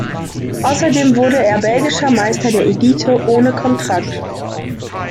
Außerdem wurde er belgischer Meister der Elite ohne Kontrakt.